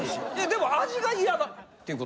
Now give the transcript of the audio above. でも味が嫌だっていう事？